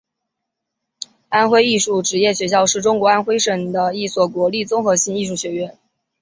安徽艺术职业学院是中国安徽省的一所国立综合性艺术学院。